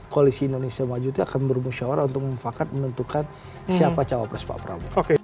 koalisi indonesia maju itu akan bermusyawarah untuk mufakat menentukan siapa cawapres pak prabowo